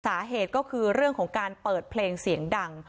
สาเหตุก็คือเรื่องของการเปิดเพลงเสียงดัง